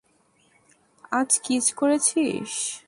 আজ কিস করেছিস?